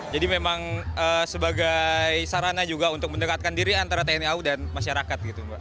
jadi memang sebagai sarana juga untuk mendekatkan diri antara tni au dan masyarakat